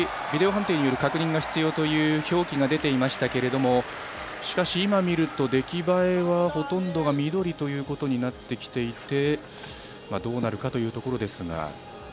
ビデオ判定による確認が必要という表記が出ていましたが今見ると、出来栄えはほとんどが緑ということになってきていてどうなるかというところですが。